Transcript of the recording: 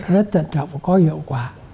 rất cẩn trọng và có hiệu quả